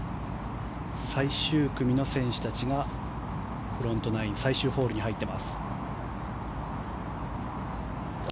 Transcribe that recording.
最終組の選手たちがフロントナイン最終ホールに入っています。